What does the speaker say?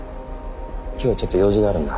今日はちょっと用事があるんだ。